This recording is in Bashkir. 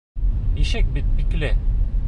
Ишек бит бикле!